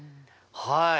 はい。